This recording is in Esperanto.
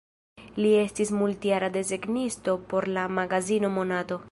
Li estis multjara desegnisto por la magazino Monato.